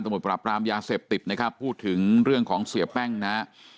สมุดประปรามยาเสพติบนะครับพูดถึงเรื่องของเสียแป้งนะ